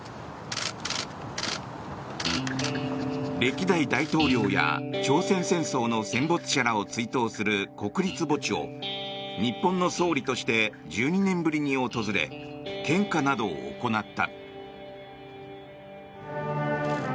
歴代大統領や朝鮮戦争の戦没者らを追悼する国立墓地を日本の総理として１２年ぶりに訪れ献花などを行った。